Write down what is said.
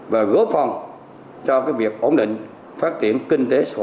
và góp phòng cho việc ổn định phát triển kinh tế